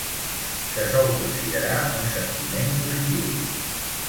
Se sol considerar un sentiment positiu.